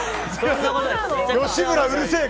吉村うるせえ！